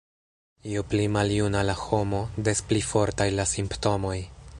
Ju pli maljuna la homo, des pli fortaj la simptomoj.